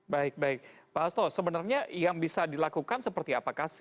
baik baik pak hasto sebenarnya yang bisa dilakukan seperti apakah